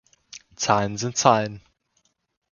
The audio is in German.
Zahlen sind Zahlen.